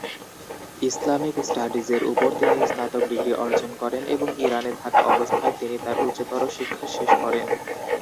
Islamic স্টাডিজের উপর তিনি স্নাতক ডিগ্রী অর্জন করেন এবং ইরানে থাকা অবস্থায় তিনি তার উচ্চতর শিক্ষা শেষ করেন।